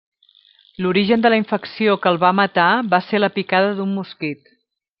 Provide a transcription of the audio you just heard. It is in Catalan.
L'origen de la infecció que el va matar va ser la picada d'un mosquit.